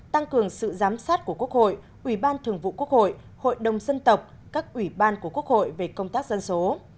tăng cường sự giám sát của quốc hội ủy ban thường vụ quốc hội hội đồng dân tộc các ủy ban của quốc hội về công tác dân số